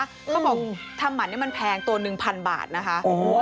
เขาบอกทำหมั่นนี่มันแพงตัว๑๐๐๐บาทนะคะ